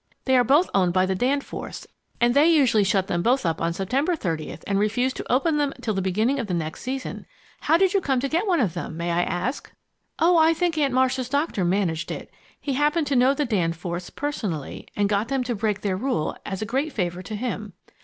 They are both owned by the Danforths, and they usually shut them both up on September 30 and refuse to open them till the beginning of the next season. How did you come to get one of them, may I ask?" "Oh, I think Aunt Marcia's doctor managed it. He happened to know the Danforths personally, and got them to break their rule, as a great favor to him.